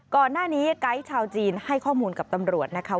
ก่อนหน้านี้ไกด์ชาวจีนให้ข้อมูลกับตำรวจนะคะ